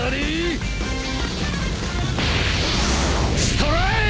ストライク！！